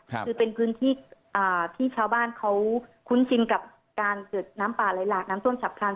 คือเป็นพื้นที่ที่ชาวบ้านเขาคุ้นชินกับการเกิดน้ำป่าไหลหลากน้ำท่วมฉับคัน